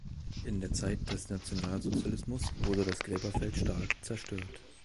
In der Zeit des Nationalsozialismus wurde das Gräberfeld stark zerstört.